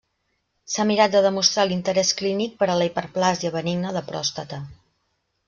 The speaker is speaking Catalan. S'ha mirat de demostrar l'interès clínic per a la hiperplàsia benigna de pròstata.